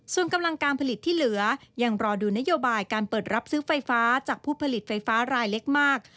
ส่วนกำลังการผลิตที่เหลือยังรอดูนโยบายการเปิดรับซื้อไฟฟ้าจากผู้ผลิตไฟฟ้ารายเล็กมาก